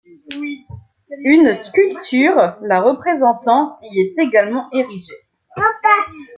Une sculpture la représentant y est également érigée.